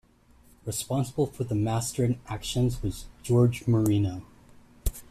Responsible for the Masterin actions was George Marino.